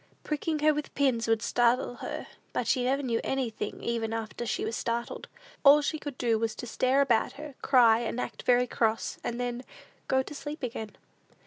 Pricking her with pins would startle her, but she never knew anything even after she was startled. All she could do was to stare about her, cry, and act very cross, and then go to sleep again.